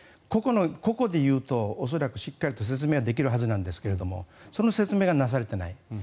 個々でいうと恐らくしっかりと説明できるはずなんですがその説明がなされていない。